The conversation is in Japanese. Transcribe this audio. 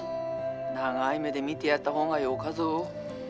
☎長い目で見てやった方がよかぞ。